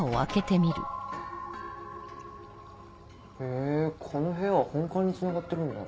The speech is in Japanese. へぇこの部屋は本館につながってるんだ。